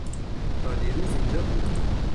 تا دیروز اینجا بود.